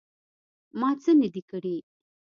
_ما څه نه دي کړي.